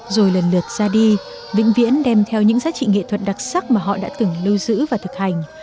rồi lần lượt ra đi vĩnh viễn đem theo những giá trị nghệ thuật đặc sắc mà họ đã từng lưu giữ và thực hành